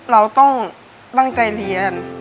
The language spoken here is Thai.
เราต้องนั่งใกล้เรียน